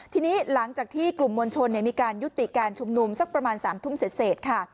ทีนี้หลังจากที่กลุ่มมวลชนมีการยุติการชุมนุมสักประมาณ๓ทุ่มเสร็จค่ะ